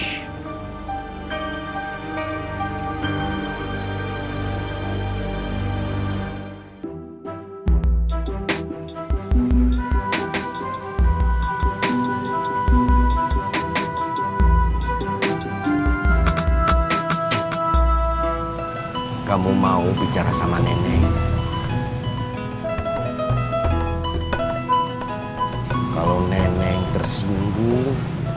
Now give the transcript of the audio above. hai kamu mau bicara sama nenek kalau nenek tersinggung